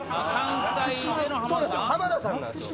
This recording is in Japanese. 浜田さんなんすよ。